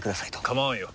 構わんよ。